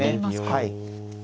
はい。